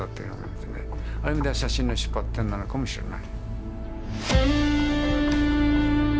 ある意味では写真の出発点なのかもしれない。